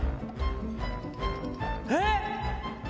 えっ！？